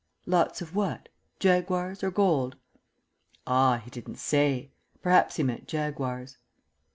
"Lots of what? Jaguars or gold?" "Ah, he didn't say. Perhaps he meant jaguars."